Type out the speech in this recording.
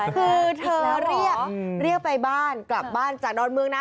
คือเธอเรียกเรียกไปบ้านกลับบ้านจากดอนเมืองนะ